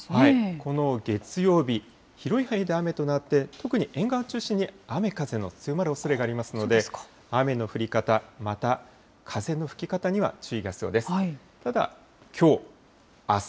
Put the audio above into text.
この月曜日、広い範囲で雨となって、特に沿岸を中心に雨、風の強まるおそれがありますので、雨の降り方、また風の吹き方には注意が必要です。